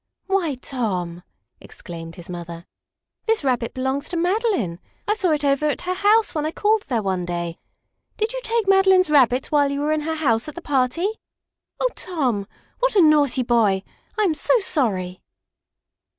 "Why, Tom!" exclaimed his mother. "This Rabbit belongs to Madeline. I saw it over at her house when I called there one day. Did you take Madeline's Rabbit when you were in her house at the party? Oh, Tom, what a naughty boy! I am so sorry!"